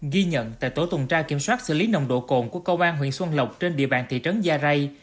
ghi nhận tại tổ tuần tra kiểm soát xử lý nồng độ cồn của công an huyện xuân lộc trên địa bàn thị trấn gia rai